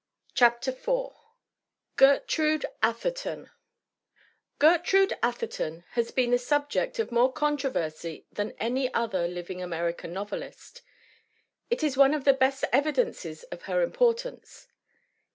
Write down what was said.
CHAPTER IV GERTRUDE ATHERTON GERTRUDE ATHERTON has been the sub ject of more controversy than any other living '. American novelist. It is one of the best evi dences of her importance.